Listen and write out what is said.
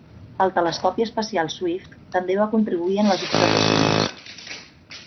El telescopi espacial Swift també va contribuir en les observacions.